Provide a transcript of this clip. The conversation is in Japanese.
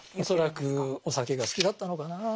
恐らくお酒が好きだったのかな。